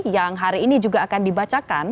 yang hari ini juga akan dibacakan